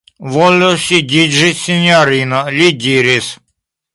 Volu sidiĝi, sinjorino, li diris.